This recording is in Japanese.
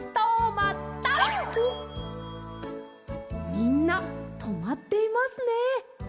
みんなとまっていますね。